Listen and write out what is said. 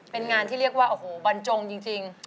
เป็นงานที่เรียกว่าโอ้โหบรรจงจริง